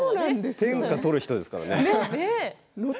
天下を取る人ですからね。